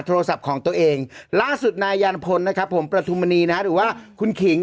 ตัวเองล่าสุดนายยานพลนะครับผมประธุมนีนะฮะหรือว่าคุณขิง